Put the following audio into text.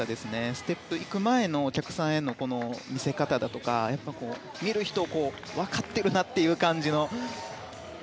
ステップに行く前のお客さんへの見せ方とか分かってるなという感じの。